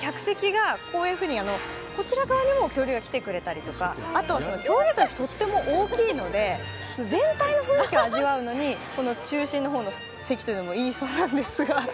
客席がこういうふうに、こちら側にも恐竜が来てくれたりとか、恐竜たちとっても大きいので、全体の雰囲気を味わうのに、中心の方の席がいいそうなんですが。